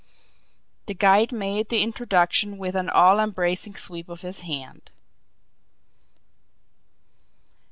The guide made the introduction with an all embracing sweep of his hand.